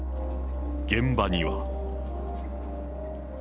現場には。